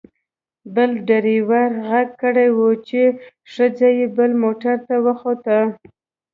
بل ډریور غږ کړی و چې ښځه یې بل موټر ته وخوته.